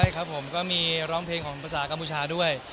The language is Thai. ใช่ครับผมก็มีร้องเพลงของภาษากัมพูชาด้วย